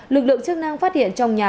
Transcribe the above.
lực lượng chức năng phát hiện trong nhà